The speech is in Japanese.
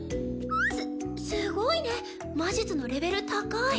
すすごいね魔術のレベル高い！